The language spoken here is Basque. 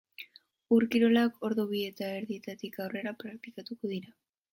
Ur-kirolak ordu bi eta erdietatik aurrera praktikatuko dira.